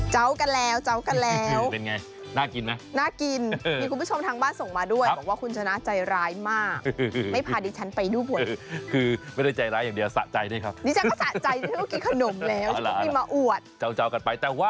เจ้ากันแล้วเจ้ากันแล้ว